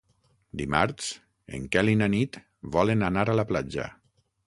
Dimarts en Quel i na Nit volen anar a la platja.